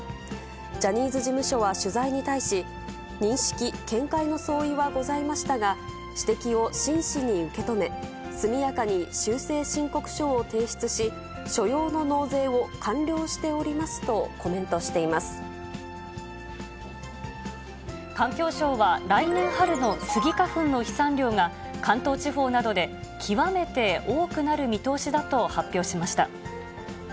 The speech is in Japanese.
ジャニーズ事務所は取材に対し、認識、見解の相違はございましたが、指摘を真摯に受け止め、速やかに修正申告書を提出し、所要の納税を完了しておりますと環境省は、来年春のスギ花粉の飛散量が、関東地方などで極めて多くなる見通しだと発表しました。